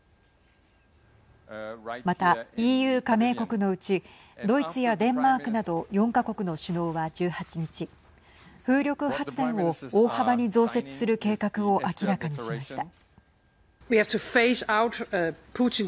またＥＵ加盟国のうちドイツやデンマークなど４か国の首脳は１８日風力発電を大幅に増設する計画を明らかにしました。